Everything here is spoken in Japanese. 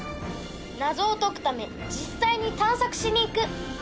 謎を解くため実際に探索しに行く